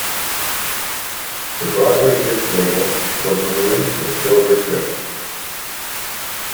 The Broadway disc label was maroon with silver script.